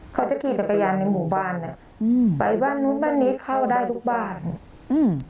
เขาจะขี่จักรยานในหมู่บ้านเนี้ยอืมไปบ้านนู้นบ้านนี้เข้าได้ทุกบ้านอืม